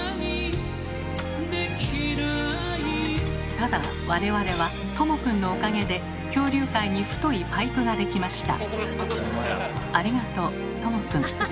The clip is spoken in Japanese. ただ我々はとも君のおかげで恐竜界に太いパイプができました。